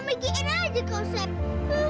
begini aja kau seb